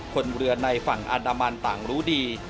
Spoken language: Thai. คนเรือในฝั่งอันดามันต่างรู้ดี